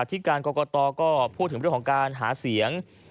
ที่การกรกตก็พูดถึงเรื่องของการหาเสียง